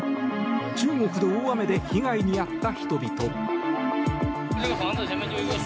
中国の大雨で被害に遭った人々。